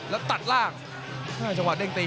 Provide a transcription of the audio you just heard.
หลักใน